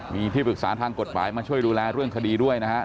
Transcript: มีที่ปรึกษาทางกฎหมายมาช่วยดูแลเรื่องคดีด้วยนะครับ